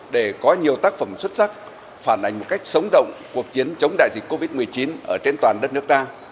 để có nhiều tác phẩm xuất sắc phản ảnh một cách sống động cuộc chiến chống đại dịch covid một mươi chín ở trên toàn đất nước ta